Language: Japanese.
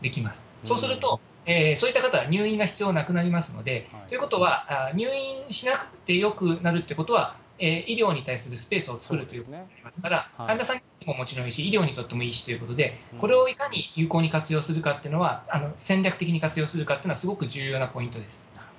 そうすると、そういった方は入院が必要なくなりますので、ということは、入院しなくてよくなるっていうことは、医療に対するスペースを作るということになりますから、患者さんにとってももちろんいいし、医療にとってもいいしということで、これをいかに有効に活用するかっていうのは、戦略的に活用するかっていうのは、すごく重要なポイントです。